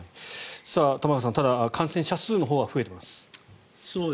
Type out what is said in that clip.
玉川さん、ただ感染者数のほうは増えています。